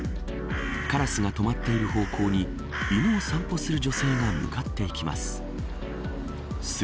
カラスが止まっている方向に犬を散歩する女性が向かっていきます。